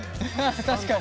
確かに。